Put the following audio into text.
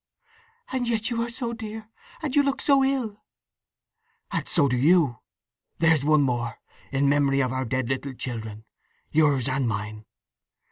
"And yet you are so dear!—and you look so ill—" "And so do you! There's one more, in memory of our dead little children—yours and mine!"